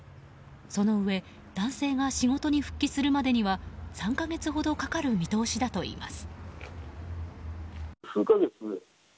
そのうえ男性が仕事に復帰するまでには３か月ほどかかる見通しだといいます。